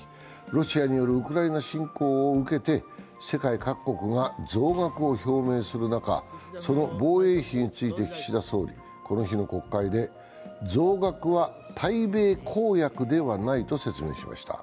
ロシアによるウクライナ侵攻を受けて、世界各国が増額を表明する中その防衛費について岸田総理、この日の国会で、増額は対米公約ではないと説明しました。